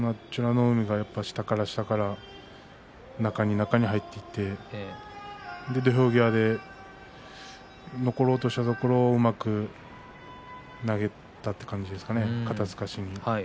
海が下から下から中に中に入っていってそれで土俵際、残ろうとしたところうまく投げたというところですね肩すかしに。